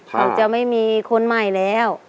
คงจะไม่มีคนใหม่แล้ว